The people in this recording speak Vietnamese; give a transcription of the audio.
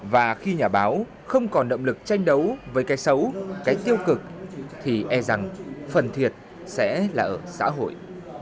và khi nhà báo không còn động lực tranh đấu với cái xấu cái tiêu cực thì e rằng phần thiệt sẽ là ở xã hội